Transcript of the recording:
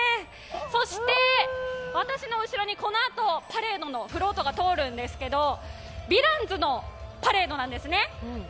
そして私の後ろに、このあとパレードのフロートが通るんですけどヴィランズのパレードなんですね。